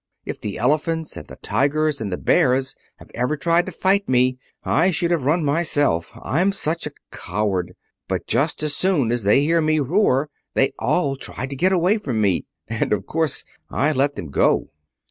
If the elephants and the tigers and the bears had ever tried to fight me, I should have run myself—I'm such a coward; but just as soon as they hear me roar they all try to get away from me, and of course I let them go."